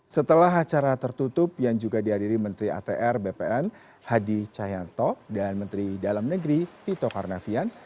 setelah acara tertutup yang juga dihadiri menteri atr bpn hadi cahyanto dan menteri dalam negeri tito karnavian